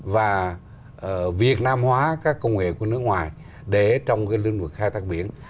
và việt nam hóa các công nghệ của nước ngoài để trong lĩnh vực khai thác biển